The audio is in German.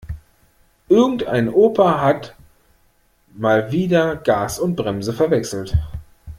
Irgendein Opa hat mal wieder Gas und Bremse verwechselt.